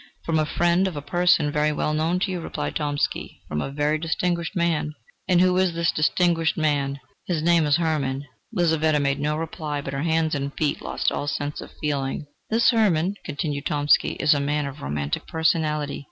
"From a friend of a person very well known to you," replied Tomsky, "from a very distinguished man." "And who is this distinguished man?" "His name is Hermann." Lizaveta made no reply; but her hands and feet lost all sense of feeling. "This Hermann," continued Tomsky, "is a man of romantic personality.